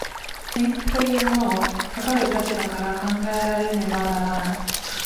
人格というものも、かかる立場から考えられねばならない。